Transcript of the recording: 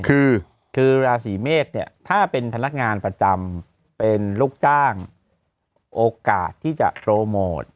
คือคือราศีเมษเนี่ยถ้าเป็นพนักงานประจำเป็นลูกจ้างโอกาสที่จะโปรโมท